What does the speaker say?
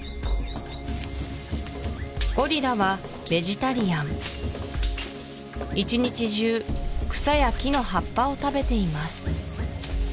ゴリラはベジタリアン一日中草や木の葉っぱを食べています